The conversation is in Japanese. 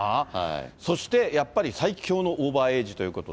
そしてやっぱり、最強のオーバーエージということで。